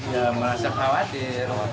ya merasa khawatir